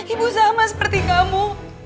ibu sama seperti kamu